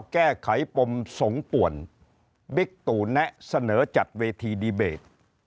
แก้ไขปมสงป่วนบิ๊กตู่แนะเสนอจัดเวทีดีเบต